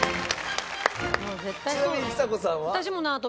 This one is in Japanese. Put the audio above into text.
ちなみにちさ子さんは？